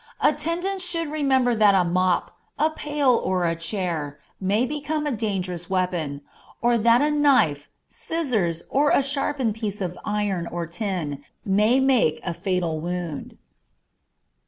Attendants should remember that a mop, a pail, or a chair, may become a dangerous weapon, or that a knife, scissors, or a sharpened piece of iron or tin, may make a fatal wound.